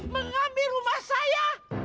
mengambil rumah saya